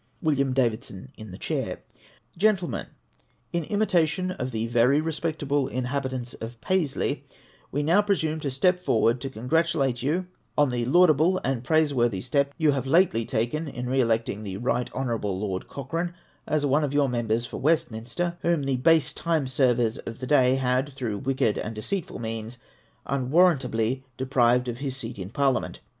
WILLIAM DAVIDSON ill the Ckaiv. Gentlemen, — In imitation of the very respectable inha bitants of Paislev, we now presume to step forAvard to con gratulate you on the laudable and praiseworthy step you have lately taken in re electing the Eight Honourable Lord Cocli rane as one of your members for Westminster, whom the base time servers of the day had, through wicked and deceitful means, unwarrantably deprived of his seat in Parliament.